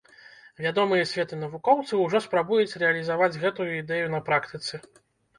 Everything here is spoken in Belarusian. Вядомыя свету навукоўцы ўжо спрабуюць рэалізаваць гэтую ідэю на практыцы.